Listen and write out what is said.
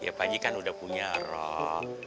ya pak haji kan udah punya roh